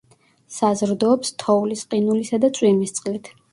საზრდოობს თოვლის, ყინულისა და წვიმის წყლით.